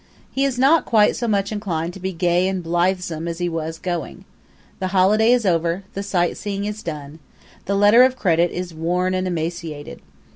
He is not quite so much inclined to be gay and blithesome as he was going. The holiday is over; the sightseeing is done; the letter of credit is worn and emaciated.